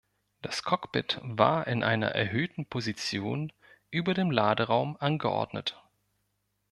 Das Cockpit war in einer erhöhten Position über dem Laderaum angeordnet.